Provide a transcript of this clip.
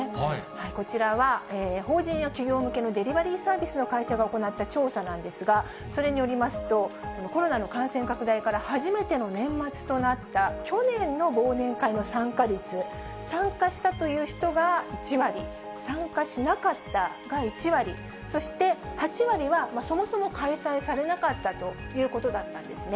こちらは、法人や企業向けのデリバリーサービスの会社が行った調査なんですが、それによりますと、コロナの感染拡大から初めての年末となった去年の忘年会の参加率、参加したという人が１割、参加しなかったが１割、そして８割は、そもそも開催されなかったということだったんですね。